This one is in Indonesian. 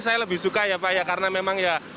saya lebih suka ya pak ya karena memang ya